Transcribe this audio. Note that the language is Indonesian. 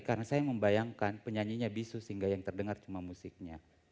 karena saya membayangkan penyanyinya bisu sehingga yang terdengar cuma musiknya